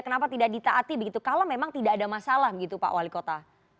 kenapa tidak ditaati begitu kalau memang tidak ada masalah begitu pak wali kota